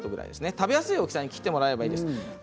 食べやすい大きさに切ってもらえればいいです。